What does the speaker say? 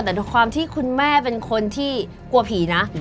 แต่ด้วยความที่คุณแม่เป็นคนที่กลัวผีนะ